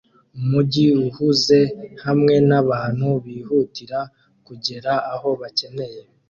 Umujyi uhuze hamwe nabantu bihutira kugera aho bakeneye